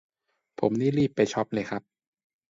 ผมนี่รีบไปช็อปเลยครับ